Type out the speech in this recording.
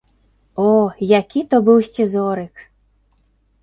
О, які то быў сцізорык!